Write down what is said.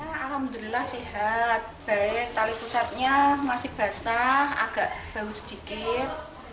alhamdulillah sehat baik tali pusatnya masih basah agak bau sedikit